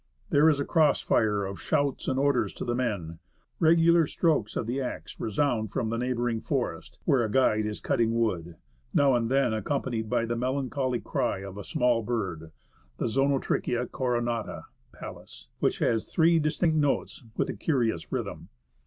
There is a cross fire of shouts and orders to the men ; regular strokes of the axe resound from the neig^hbouring forest, where a guide is cutting wood, now and then accompanied by the melancholy cry of a small bird (the Zonotrichia coronata, Pallas), which has three distinct notes with a curious rhythm.